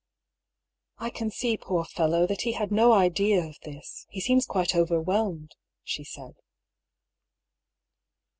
" I can see, poor fellow ! that he had no idea of this, he seems quite overwhelmed," she said.